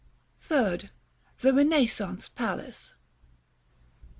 § XX. 3rd. The RENAISSANCE PALACE.